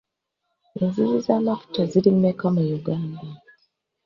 Enzizi z'amafuta ziri mmeka mu Uganda?